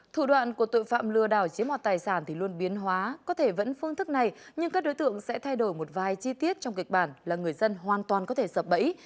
thủ đoạn của tội phạm lừa đảo chiếm hoạt tài sản thì luôn biến hóa có thể vẫn phương thức này nhưng các đối tượng sẽ thay đổi một vài chi tiết trong kịch bản là người dân hoàn toàn có thể sập bẫy